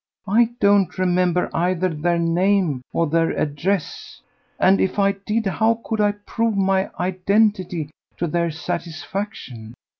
I don't remember either their name or their address; and if I did, how could I prove my identity to their satisfaction?